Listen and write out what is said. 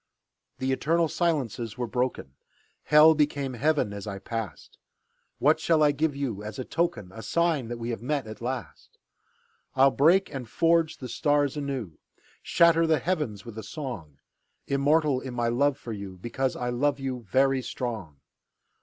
The eternal silences were broken; Hell became Heaven as I passed. What shall I give you as a token, A sign that we have met, at last? I'll break and forge the stars anew, Shatter the heavens with a song; Immortal in my love for you, Because I love you, very strong.